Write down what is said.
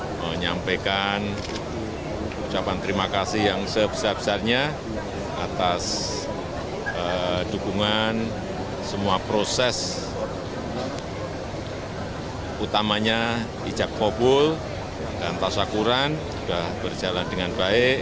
saya menyampaikan ucapan terima kasih yang sebesar besarnya atas dukungan semua proses utamanya bijak fobul dan tasakuran sudah berjalan dengan baik